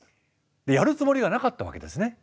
やるつもりはなかったわけですね。